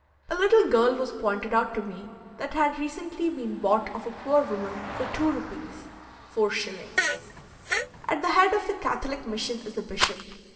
A little girl was pointed out to me that had recently been bought of a poor woman for two rupees (4s.) At the head of the Catholic mission is a bishop.